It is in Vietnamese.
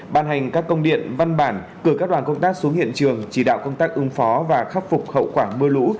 ban hành các công điện văn bản cử các đoàn công tác xuống hiện trường chỉ đạo công tác ứng phó và khắc phục hậu quả mưa lũ